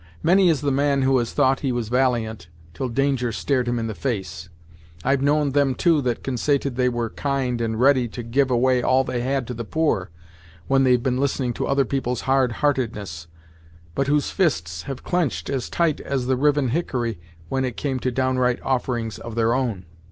Many is the man who has thought he was valiant till danger stared him in the face; I've known them, too, that consaited they were kind and ready to give away all they had to the poor, when they've been listening to other people's hard heartedness; but whose fists have clench'd as tight as the riven hickory when it came to downright offerings of their own.